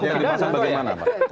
yang dimasang bagaimana pak